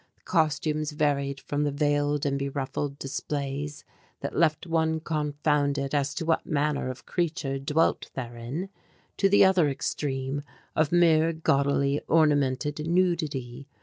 The costumes varied from the veiled and beruffled displays, that left one confounded as to what manner of creature dwelt therein, to the other extreme of mere gaudily ornamented nudity.